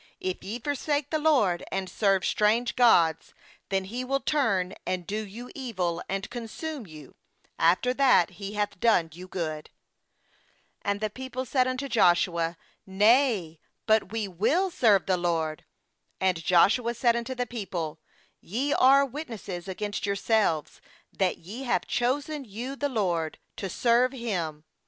20If ye forsake the LORD, and serve strange gods, then He will turn and do you evil, and consume you, after that He hath done you good/ 21And the people said unto Joshua: 'Nay; but we wjll serve the LORD/ 22And Joshua said unto the people: 'Ye are witnesses against yourselves that ye have chosen you the LORD, to serve Him.